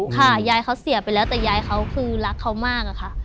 ค่ะยายเขาเสียไปแล้วแต่ยายเขาคือรักเขามากอะค่ะ